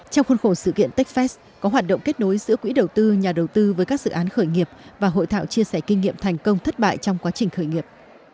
trong khuôn khổ sự kiện techfest có hoạt động kết nối giữa quỹ đầu tư nhà đầu tư với các dự án khởi nghiệp và hội thảo chia sẻ kinh nghiệm thành công thất bại trong quá trình khởi nghiệp